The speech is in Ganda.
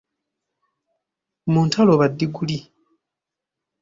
Mu ntalo ba ddiguli.